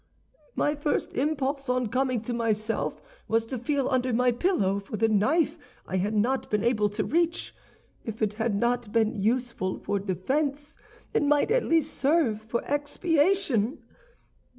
"My first impulse, on coming to myself, was to feel under my pillow for the knife I had not been able to reach; if it had not been useful for defense, it might at least serve for expiation.